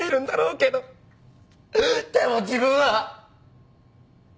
でも自分は！